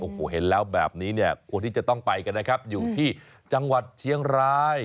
โอ้โหเห็นแล้วแบบนี้เนี่ยควรที่จะต้องไปกันนะครับอยู่ที่จังหวัดเชียงราย